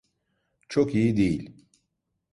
Çok iyi değil.